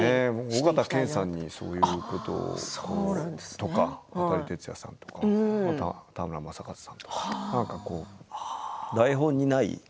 緒形拳さんにそういうこととか渡哲也さんとか田村正和さんとか。